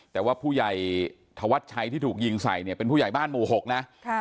แต่ว่าผู้ใหญ่ธวัชชัยที่ถูกยิงใส่เนี่ยเป็นผู้ใหญ่บ้านหมู่๖นะ